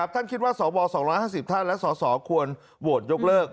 ท่านคิดว่าสว๒๕๐ท่านและสสควรโหวตยกเลิก